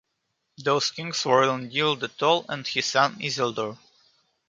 Those kings were Elendil the Tall and his son Isildur.